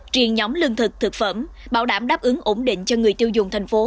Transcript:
riêng nhóm lương thực thực phẩm bảo đảm đáp ứng ổn định cho người tiêu dùng thành phố